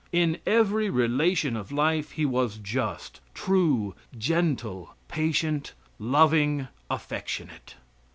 In every relation of life he was just, true, gentle, patient, loving, affectionate.